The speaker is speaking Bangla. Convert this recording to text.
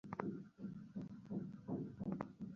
কিন্তু তোমার সঙ্গে হইলে বেশ হইত, তোমার সঙ্গেও তো কথা হইয়াছিল।